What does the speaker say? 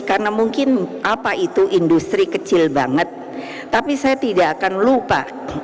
karena mungkin apa itu industri kecil banget tapi saya tidak akan lupa